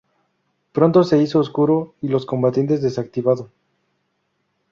Pronto se hizo oscuro, y los combatientes desactivado.